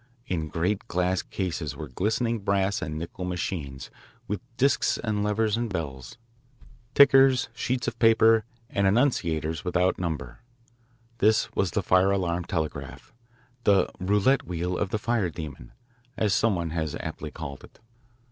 In great glass cases were glistening brass and nickel machines with discs and levers and bells, tickers, sheets of paper, and annunciators without number. This was the fire alarm telegraph, the "roulette wheel of the fire demon," as some one has aptly called it.